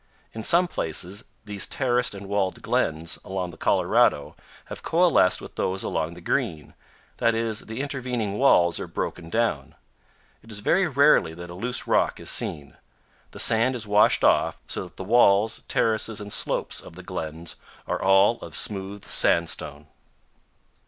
In some places these terraced and walled glens along the Colorado have coalesced with those along the Green; that is, the intervening walls are broken down. It is very rarely that a loose rock is seen. The sand is washed off, so that the walls, terraces, and slopes of the glens are all of smooth sandstone.